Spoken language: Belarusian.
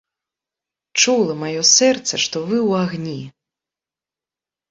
Чула маё сэрца, што вы ў агні.